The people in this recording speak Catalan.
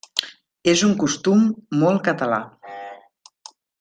És un costum molt català.